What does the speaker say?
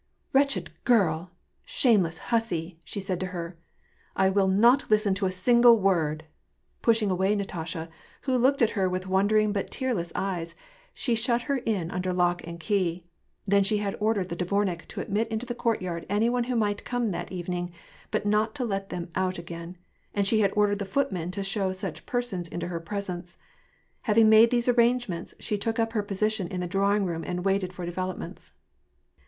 " Wretched girl ! Shameless hussy !" said she to her. '^ I will not listen to a single word !" Pushing away Natasha, who looked at her with wondering but tearless eyes, she shut her in under lock and key ; then she had ordered the dvomik to admit into the courtyard any who might come that evening, but not to let them out again, and she had ordered the footman to show such persons into her presence. Having made these arrangements, she took up her position in the drawing room and waited for developments.